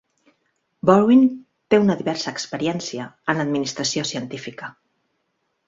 Borwein té una diversa experiència en la administració científica.